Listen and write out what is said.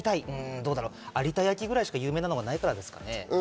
どうだろう、有田焼ぐらいしか有名なものがないからですかね？